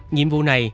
nhiệm vụ này